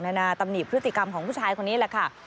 นานาตำหนิพฤติกรรมของผู้ชายคนนี้แหละค่ะ